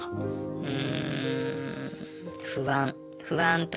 うん。